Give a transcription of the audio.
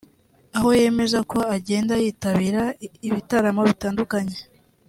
aho yemeza ko agenda yitabira ibitaramo bitandukanye